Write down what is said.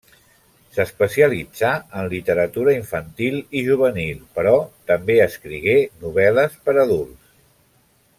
S'especialitzà en literatura infantil i juvenil, però també escrigué novel·les per a adults.